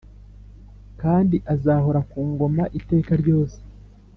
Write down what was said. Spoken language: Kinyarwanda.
kandi azahora ku ngoma iteka ryose.